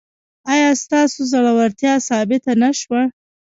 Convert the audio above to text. ایا ستاسو زړورتیا ثابته نه شوه؟